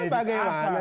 loh anda bagaimana